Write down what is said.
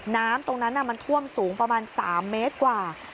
น้ำตรงนั้นมันท่วมสูงประมาณ๓เมตรกว่า